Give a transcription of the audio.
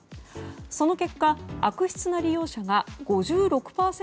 その結果悪質な利用者が５６％